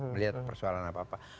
melihat persoalan apa apa